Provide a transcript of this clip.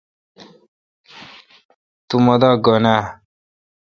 تو مہ دا گھن آ؟